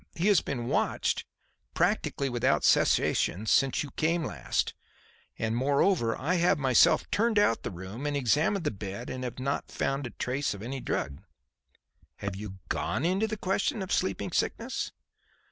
He has been watched, practically without cessation since you came last, and, moreover, I have myself turned out the room and examined the bed and have not found a trace of any drug. Have you gone into the question of sleeping sickness?"